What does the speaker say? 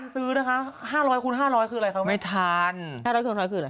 ผมไม่เสิร์ฟทันซื้อนะคะ๕๐๐คูณ๕๐๐คืออะไรคะ